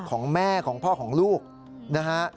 ของแม่ของพ่อของลูกนะฮะ